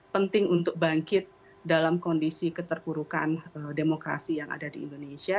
penting untuk bangkit dalam kondisi keterpurukan demokrasi yang ada di indonesia